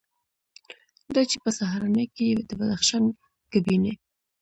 دا چې په سهارنۍ کې یې د بدخشان ګبیني،